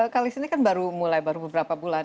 kali ini kan baru mulai baru beberapa bulan